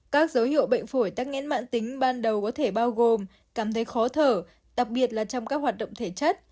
các dấu hiệu bệnh phổi tắc nghẽn mạng tính ban đầu có thể bao gồm cảm thấy khó thở đặc biệt là trong các hoạt động thể chất